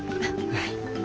はい。